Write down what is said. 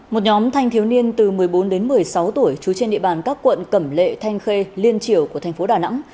một nhóm thanh thiếu niên từ một mươi bốn đến một mươi sáu tuổi trú trên địa bàn các quận cẩm lệ thanh khê liên triều của thành phố đà nẵng